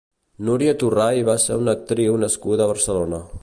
Núria Torray va ser una actriu nascuda a Barcelona.